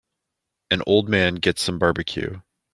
An old man gets some barbecue